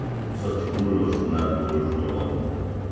Such rulers do not rule for long.